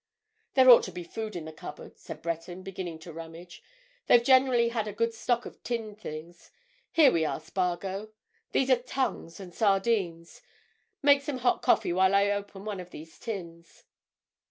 "There ought to be food in the cupboard," said Breton, beginning to rummage. "They've generally had a good stock of tinned things. Here we are, Spargo—these are tongues and sardines. Make some hot coffee while I open one of these tins."